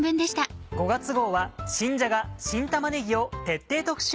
５月号は新じゃが・新玉ねぎを徹底特集。